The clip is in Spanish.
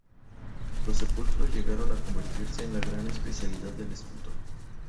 Los sepulcros llegaron a convertirse en la gran especialidad del escultor.